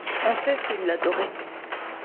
On sait s'il l'adorait.